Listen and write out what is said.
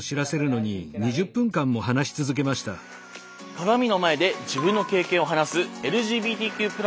鏡の前で自分の経験を話すＬＧＢＴＱ＋の当事者たち。